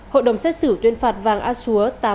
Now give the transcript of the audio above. hội đồng xét xử tuyên phạt vàng a xúa